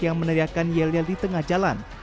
yang meneriakan yelial di tengah jalan